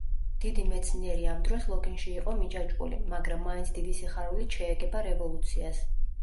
დიდი მეცნიერი ამ დროს ლოგინში იყო მიჯაჭვული, მაგრამ მაინც დიდი სიხარულით შეეგება რევოლუციას.